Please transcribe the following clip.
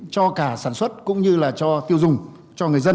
cho cả sản xuất cũng như là cho tiêu dùng cho người dân